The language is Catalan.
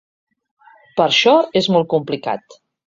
Per això és molt complicat.